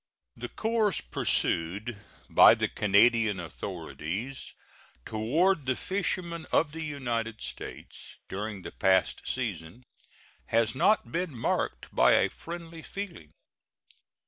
The course pursued by the Canadian authorities toward the fishermen of the United States during the past season has not been marked by a friendly feeling.